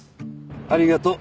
ありがとう。